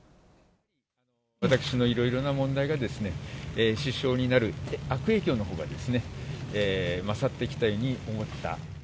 私のいろいろな問題がですね、支障になる、悪影響のほうがまさってきたように思った。